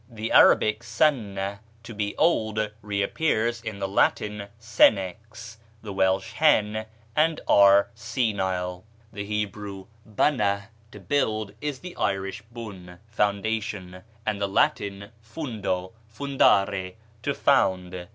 The Arabic sanna, to be old, reappears in the Latin senex, the Welsh hen, and our senile. The Hebrew banah, to build, is the Irish bun, foundation, and the Latin fundo, fundare, to found.